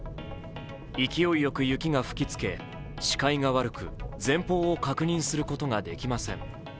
勢いよく雪が吹きつけ視界が悪く前方を確認することができません。